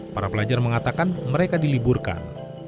para pelajar mengatakan mereka diliburkan